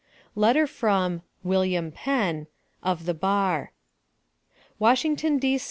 LETTER FROM "WM. PENN" (OF THE BAR). WASHINGTON, D.